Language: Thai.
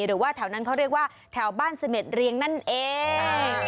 หรือว่าแถวนั้นเขาเรียกว่าแถวบ้านเสม็ดเรียงนั่นเอง